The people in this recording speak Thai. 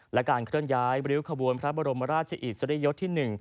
และการเคลื่อนย้ายริ้วขบวนพระบรมราชอิสริยยศที่๑